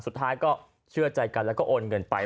สุดท้ายก็เชื่อใจกันแล้วก็โอนเงินไป